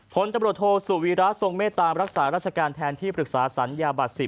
ผล่วนตอบบรวดโทสูกวีราชทรงเมตตามรักษาราชการแทนที่ปรึกษาสรรยาบัตร๑๐